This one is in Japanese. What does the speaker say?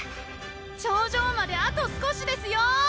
頂上まであと少しですよ！